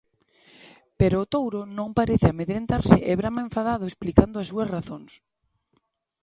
Pero o touro non parece amedrentarse e brama enfadado explicando as súas razóns.